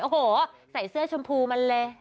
โอ้โหใส่เสื้อชมพูมันเลย